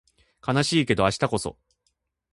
悲しいけど明日こそ